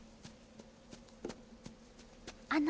あの。